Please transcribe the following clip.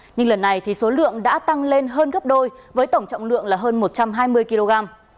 nhưng lần này thì số lượng đã tăng lên hơn gấp đôi với tổng trọng lượng là hơn một trăm hai mươi kg